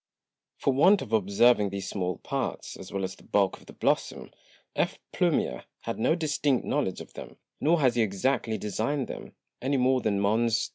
For want of observing these small Parts, as well as the Bulk of the Blossom, F. Plumier had no distinct Knowledge of them, nor has he exactly design'd them, any more than _Mons.